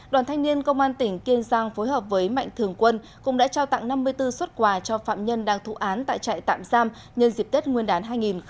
đoàn thanh niên công an tỉnh kiên giang phối hợp với mạnh thường quân cũng đã trao tặng năm mươi bốn xuất quà cho phạm nhân đang thụ án tại trại tạm giam nhân dịp tết nguyên đán hai nghìn hai mươi